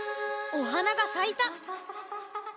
おはながさいた。